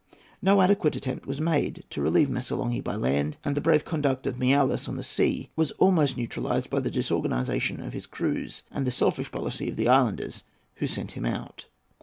No adequate attempt was made to relieve Missolonghi by land, and the brave conduct of Miaoulis on the sea was almost neutralized by the disorganization of his crews and the selfish policy of the islanders who sent him out.